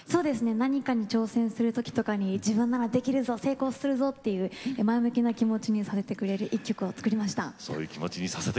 何かに挑戦するときとかに自分ならできるぞ成功するぞっていう前向きな気持ちにさせてくれる一曲を作りました。